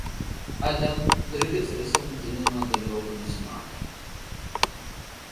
ኣዳም፡ ብርግጽ ርእሰ-ምትእምማን ዘለዎ ኮይኑ ይስምዓካ።